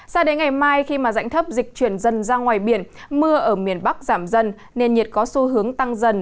sao đến ngày mai khi dạnh thấp dịch chuyển dần ra ngoài biển mưa ở miền bắc giảm dần nên nhiệt có xu hướng tăng dần